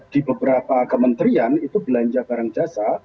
di beberapa kementerian itu belanja barang jasa